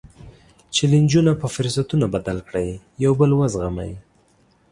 جیلنجونه په فرصتونو بدل کړئ، یو بل وزغمئ.